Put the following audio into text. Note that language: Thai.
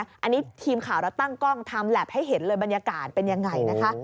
อันนี้ทีมข่าวเราตั้งกล้องทำแล็บให้เห็นเลยบรรยากาศเป็นยังไงนะคะ